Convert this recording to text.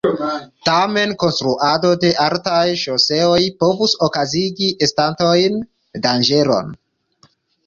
Tamen konstruado de altaj ŝoseoj povus okazigi estontajn danĝeron.